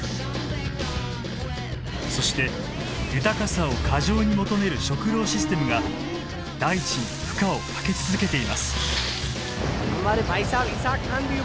そして豊かさを過剰に求める食料システムが大地に負荷をかけ続けています。